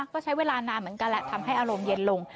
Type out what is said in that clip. ก็ใช้เวลานานเหมือนกันแหละทำให้อารมณ์เย็นลง